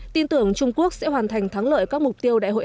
tin tưởng trung quốc sẽ hoàn thành thắng lợi các mục tiêu đại hội hai mươi